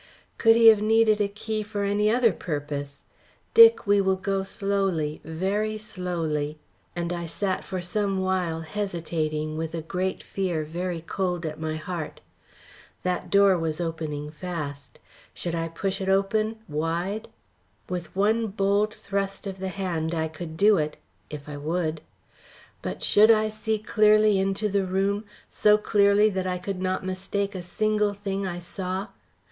"Could he have needed a key for any other purpose? Dick, we will go slowly, very slowly," and I sat for some while hesitating with a great fear very cold at my heart. That door was opening fast. Should I push it open, wide? With one bold thrust of the hand I could do it if I would. But should I see clearly into the room so clearly that I could not mistake a single thing I saw.